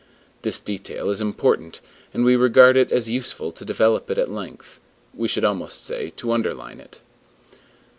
This detail is important, and we regard it as useful to develop it at length; we should almost say, to underline it.